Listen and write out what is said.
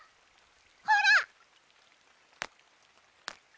ほら！